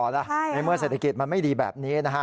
ในเมื่อเศรษฐกิจมันไม่ดีแบบนี้นะฮะ